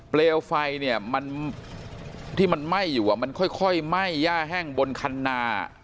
เปลวไฟเนี่ยมันที่มันไหม้อยู่มันค่อยไหม้ย่าแห้งบนคันนา